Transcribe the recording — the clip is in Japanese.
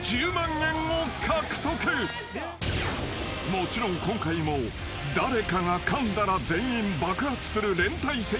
［もちろん今回も誰かがかんだら全員爆発する連帯責任ゲーム］